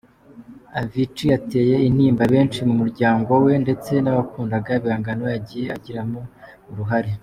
Avicii yateye intimba benshi mu muryango we ndetse n’abakundaga ibihangano yagiye agiramo uruhare.